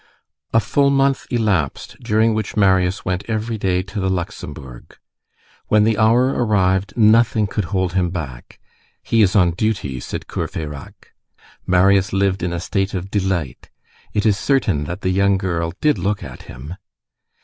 A full month elapsed, during which Marius went every day to the Luxembourg. When the hour arrived, nothing could hold him back.—"He is on duty," said Courfeyrac. Marius lived in a state of delight. It is certain that the young girl did look at him.